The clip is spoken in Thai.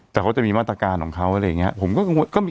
แต่เขาจะมีมาตรการของเขาอะไรอย่างนี้